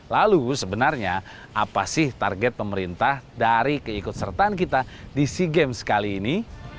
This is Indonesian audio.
lalu sebenarnya apa sih target pemerintah dari keikut sertaan kita di sea games kali ini